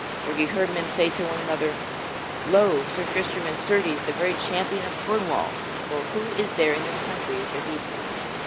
For he heard men say to one another: "Lo, Sir Tristram is, certes, the very champion of Cornwall, for who is there in this country is his equal?"